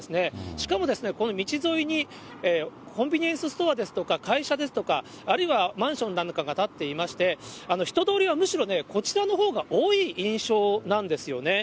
しかもですね、この道沿いにコンビニエンスストアですとか会社ですとか、あるいはマンションなんかが建っていまして、人通りはむしろね、こちらのほうが多い印象なんですよね。